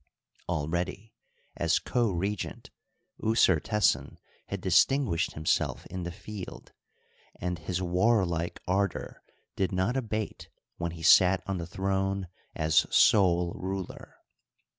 Already as co regent Usertesen had distin guished himself in the field, and his warlike ardor did not abate when he sat on the throne as sole ruler.